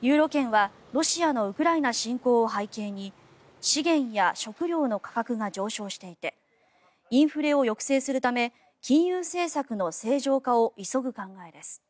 ユーロ圏はロシアのウクライナ侵攻を背景に資源や食料の価格が上昇していてインフレを抑制するため金融政策の正常化を急ぐ考えです。